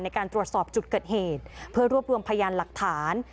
ในการตรวจสอบจุดเกิดเหตุเพื่อรวบรวมพยานหลักฐาน